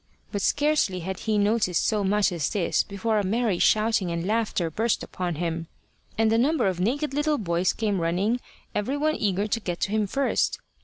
But scarcely had he noticed so much as this before a merry shouting and laughter burst upon him, and a number of naked little boys came running, every one eager to get to him first.